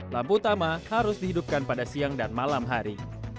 lampu utama harus dihidupkan pada siang dan malam hari